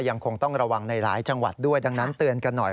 ยังคงต้องระวังในหลายจังหวัดด้วยดังนั้นเตือนกันหน่อย